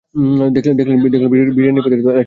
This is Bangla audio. দেখলে, বিরিয়ানির ভিতরে এলাচি চলে এলো।